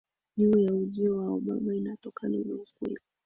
juu ya ujio wa Obama inatokana na ukweli